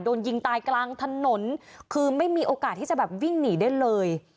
โดนยิงตายกลางถนนคือไม่มีโอกาสที่จะแบบวิ่งหนีได้เลย